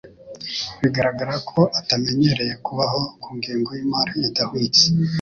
Biragaragara ko atamenyereye kubaho ku ngengo yimari idahwitse.